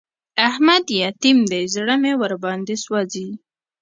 احمد يتيم دی؛ زړه مې ور باندې سوځي.